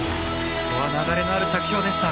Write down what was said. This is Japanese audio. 「これは流れのある着氷でした」